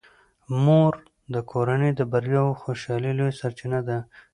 مور د کورنۍ د بریا او خوشحالۍ لویه سرچینه ده.